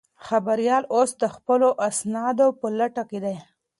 خبریال اوس د خپلو اسنادو په لټه کې دی.